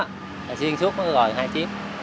thì xuyên suốt nó có gọi hai chiếc